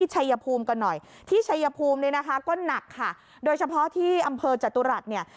ชัยภูมิกันหน่อยที่ชัยภูมิเนี่ยนะคะก็หนักค่ะโดยเฉพาะที่อำเภอจตุรัสเนี่ย